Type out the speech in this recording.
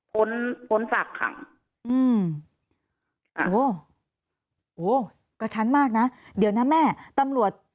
พ้นพ้นศักดิ์คำอืมโหโหก็ชั้นมากนะเดี๋ยวนะแม่ตำรวจ